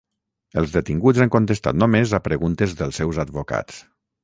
Els detinguts han contestat només a preguntes dels seus advocats.